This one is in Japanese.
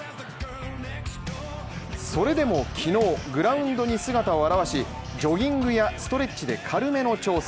それでも昨日、グラウンドに姿を現し、ジョギングやストレッチで軽めの調整。